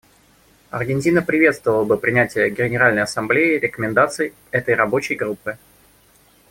Аргентина приветствовала бы принятие Генеральной Ассамблеей рекомендаций этой Рабочей группы.